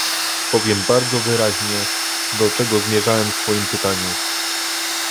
Powiem bardzo wyraźnie, do czego zmierzałem w swoim pytaniu